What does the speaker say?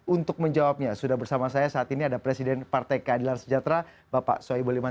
untuk menjawabnya sudah bersama saya saat ini ada presiden partai keadilan sejahtera bapak soebul iman